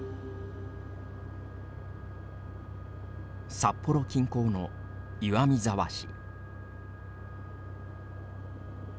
札幌近郊の岩見沢市。